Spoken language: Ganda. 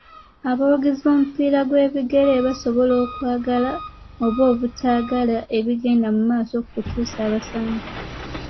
Abawagizi b'omupiira gw'ebigere basobola okwagala oba obutaagala ebigenda mu maaso ku kukyusa abasambi.